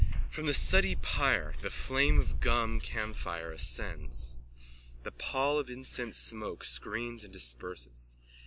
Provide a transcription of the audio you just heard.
_(From the suttee pyre the flame of gum camphire ascends. The pall of incense smoke screens and disperses.